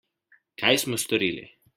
Kaj smo storili?